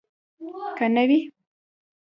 که نه وي.